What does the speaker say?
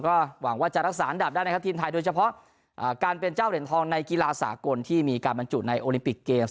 ก็หวังว่าจะรักษาอันดับได้นะครับทีมไทยโดยเฉพาะการเป็นเจ้าเหรียญทองในกีฬาสากลที่มีการบรรจุในโอลิมปิกเกมส